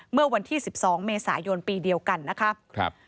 เมื่อวันที่๑๒เมษายนปีเดียวกันนะครับ